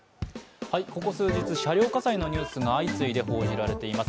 ここ数日車両火災のニュースが相次いで報じられています。